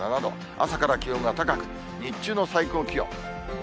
朝から気温が高く、日中の最高気温。